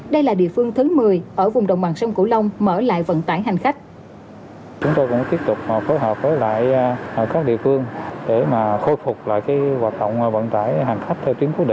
đây là địa phương thứ một mươi ở vùng đồng bằng sông cửu long mở lại vận tải hành khách